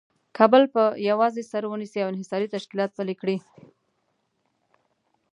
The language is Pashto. کابل په یوازې سر ونیسي او انحصاري تشکیلات پلي کړي.